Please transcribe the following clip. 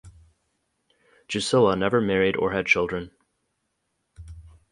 Jussila never married or had children.